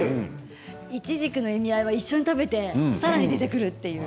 イチジクの意味合いは一緒に食べてさらに出てくるという。